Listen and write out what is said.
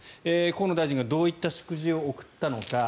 河野大臣がどういった祝辞を贈ったのか。